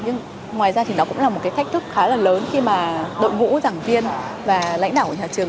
nhưng ngoài ra thì nó cũng là một cái thách thức khá là lớn khi mà đội ngũ giảng viên và lãnh đạo của nhà trường